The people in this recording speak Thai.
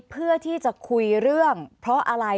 เพื่อที่จะคุยเรื่องเพราะอะไร